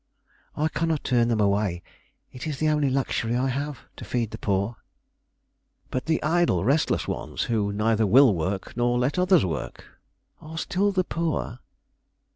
"I cannot turn them away. It is the only luxury I have: to feed the poor." "But the idle, restless ones, who neither will work, nor let others work " "Are still the poor."